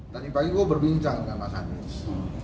tadi pagi gue berbincang dengan mas anies